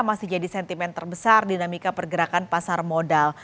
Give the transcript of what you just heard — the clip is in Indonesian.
masih jadi sentimen terbesar dinamika pergerakan pasar modal